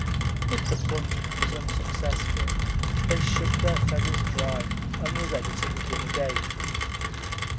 If the plunge was unsuccessful, they shook their feathers dry and were ready to begin again.